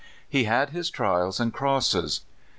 He had his trials and crosses.